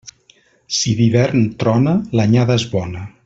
Si d'hivern trona, l'anyada és bona.